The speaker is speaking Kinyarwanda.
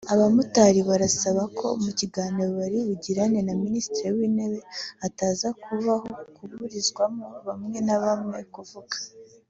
Abamotari barasaba ko Mukiganiro bari bugirane na Minisitiri w’Intebe hataza kubaho kuburizamo bamwe nabamwe kuvuga